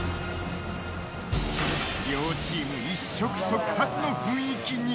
両チーム一触即発の雰囲気に。